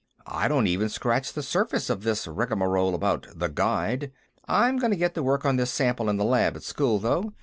"I don't even scratch the surface of this rigamarole about The Guide. I'm going to get to work on this sample in the lab, at school, though.